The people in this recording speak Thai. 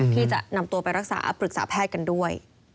ที่จะนำตัวไปรักษาปรึกษาแพทย์กันด้วย